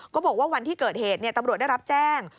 บอกว่าวันที่เกิดเหตุตำรวจได้รับแจ้ง